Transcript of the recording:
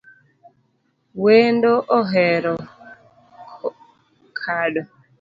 Wendo ohero kado